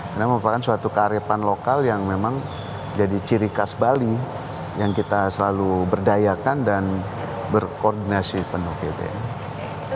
karena merupakan suatu kearifan lokal yang memang jadi ciri khas bali yang kita selalu berdayakan dan berkoordinasi penuh gitu ya